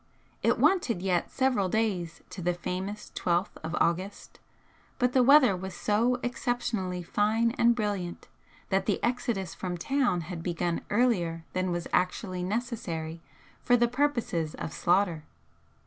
It wanted yet several days to the famous Twelfth of August, but the weather was so exceptionally fine and brilliant that the exodus from town had begun earlier than was actually necessary for the purposes of slaughter.